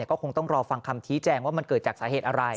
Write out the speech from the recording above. ก็คงต้องรอฟังคำชี้แจงว่ามันเกิดจากสาเหตุอะไร